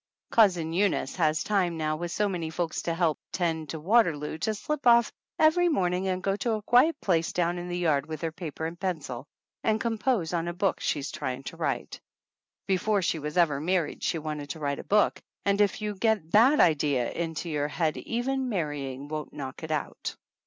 Cousin Eunice has time now with so many folks to help tend to Waterloo to slip off every morning and go to a quiet place down in the yard with her paper and pencil and compose on a book she's trying to write. Before she was ever married she wanted to write a book, and if you once get that idea into your head even marrying won't knock it out.